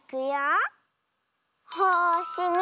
よし。